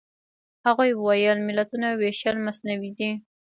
هغوی ویل ملتونو وېشل مصنوعي دي.